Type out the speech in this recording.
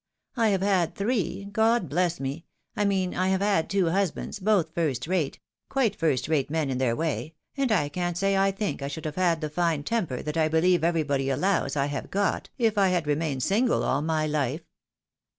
I have had three — God bless me !— ^I mean I have had two husbands, both first rate, quite first rate men in their way, and I can't say I think I should have had the fine temper that I beheve everybody allows I have got, if I had remained single all my hfe.